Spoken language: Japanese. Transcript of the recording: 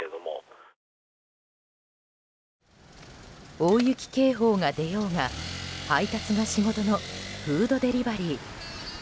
大雪警報が出ようが配達が仕事のフードデリバリー。